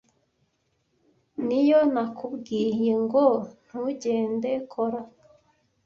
Niyo ки nakubwiye ngo ntugende kora.